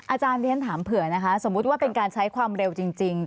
อาจารย์เรียนถามเผื่อนะคะสมมุติว่าเป็นการใช้ความเร็วจริง